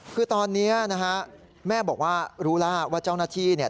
คือตอนนี้นะฮะแม่บอกว่ารู้แล้วว่าเจ้าหน้าที่เนี่ย